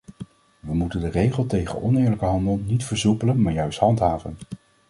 We moeten de regels tegen oneerlijke handel niet versoepelen maar juist handhaven.